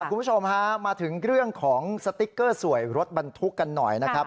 คุณผู้ชมฮะมาถึงเรื่องของสติ๊กเกอร์สวยรถบรรทุกกันหน่อยนะครับ